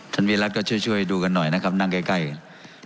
ถ้าไม่รักก็ช่วยช่วยดูกันหน่อยนะครับนั่งใกล้ใกล้